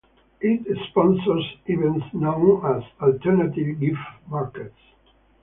It sponsors events known as Alternative Gift Markets.